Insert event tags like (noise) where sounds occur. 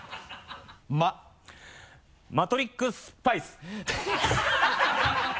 「ま」マトリックスパイス。ハハハ (laughs)